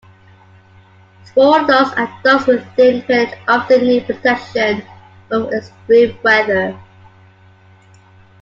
Small dogs and dogs with thin pelage often need protection from extreme weather.